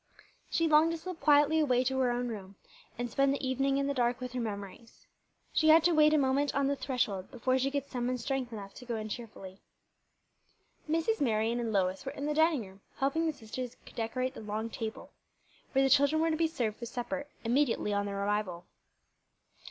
She longed to slip quietly away to her own room, and spend the evening in the dark with her memories. She had to wait a moment on the threshold before she could summon strength enough to go in cheerfully. Mrs. Marion and Lois were in the dining room helping the sisters decorate the long table, where the children were to be served with supper immediately on their arrival.